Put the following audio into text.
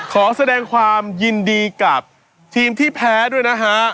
ขอแสดงความยินดีกับทีมที่แพ้ด้วยนะฮะ